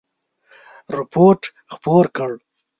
رپوټ خپور کړ.